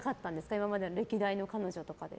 今までの歴代の彼女とかで。